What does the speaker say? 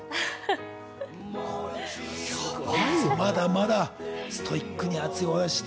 まだまだストイックに。